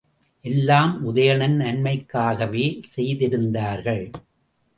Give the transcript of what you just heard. எல்லாம் உதயணன் நன்மைக்காகவே செய்திருந்தார்கள்.